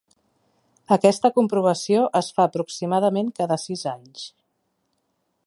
Aquesta comprovació es fa aproximadament cada sis anys.